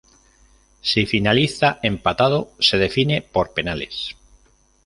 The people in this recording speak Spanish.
Si finaliza empatado, se define por penales.